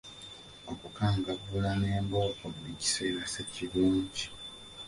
Okukangavvula ne mbooko buli kiseera sikirungi.